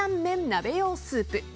鍋用スープ。